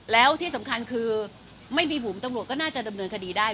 แล้วที่สำคัญคือไม่มีบุ๋มตำรวจก็น่าจะดำเนินคดีได้